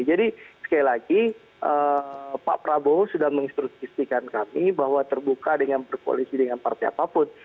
sekali lagi pak prabowo sudah menginstruksikan kami bahwa terbuka dengan berkoalisi dengan partai apapun